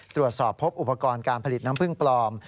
ตรวจสอบพบอุปกรณ์การผลิตน้ำพึ่งปลอม